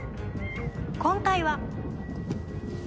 今回は。